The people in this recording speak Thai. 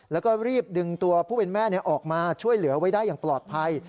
แล้วก็รีบดึงตัวผู้เป็นแม่ออกมาช่วยเหลือไว้ได้อย่างปลอดภัย